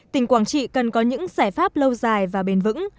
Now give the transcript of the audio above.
tỉnh quảng trị cần có những giải pháp lâu dài và bền vững